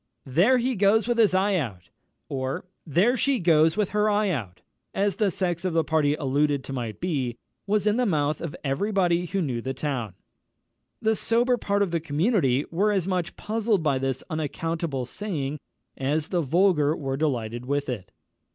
"There he goes with his eye out!" or "There she goes with her eye out!" as the sex of the party alluded to might be, was in the mouth of every body who knew the town. The sober part of the community were as much puzzled by this unaccountable saying as the vulgar were delighted with it.